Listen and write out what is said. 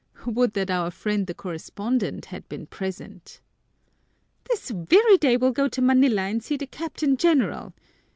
Would that our friend the correspondent had been present! "This very day we'll go to Manila and see the Captain General!"